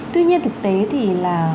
tuy nhiên thực tế thì là